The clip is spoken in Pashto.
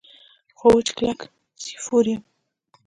خو وچ کلک سیفور یم.